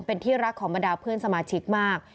เป็นที่รักของบรรดาเพื่อนสมาชิกมาก